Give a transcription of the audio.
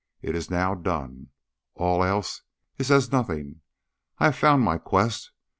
It is now done. All else is as nothing. I have found my quest.